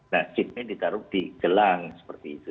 nah chipnya ditaruh di gelang seperti itu